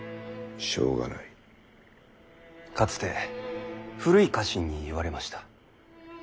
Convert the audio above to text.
かつて古い家臣に言われました。